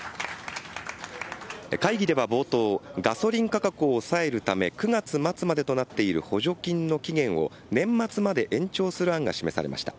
会議では冒頭、ガソリン価格を抑えるため、９月末までとなっている補助金の期限を、年末まで延長する案が示されました。